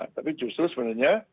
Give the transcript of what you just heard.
tapi justru sebenarnya